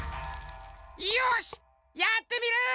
よしやってみる！